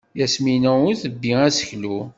Yamina ur tebbi aseklu.